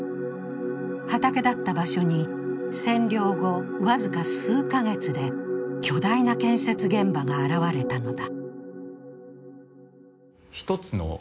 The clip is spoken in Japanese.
畑だった場所に占領後僅か数か月で巨大な建設現場が現れたのだ。